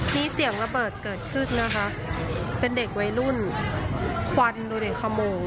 มีเสียงระเบิดเกิดขึ้นนะคะเป็นเด็กวัยรุ่นควันดูดิขโม